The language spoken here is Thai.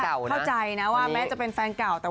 เช่าตายนะว่ามันเป็นแก่แฟนเก่า